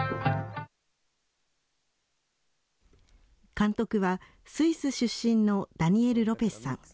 監督はスイス出身のダニエル・ロペスさん。